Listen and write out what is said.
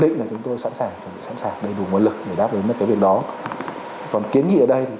định là chúng tôi sẵn sàng sẵn sàng đầy đủ nguồn lực để đáp ứng cái việc đó còn kiến nghị ở đây thì